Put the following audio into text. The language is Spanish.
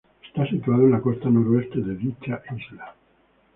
Está situado en la costa noroeste de dicha isla.